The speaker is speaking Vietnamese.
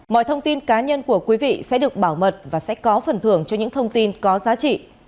mọi thông tin cá nhân của quý vị sẽ được bảo mật và sẽ có phần thưởng cho những thông tin có giá trị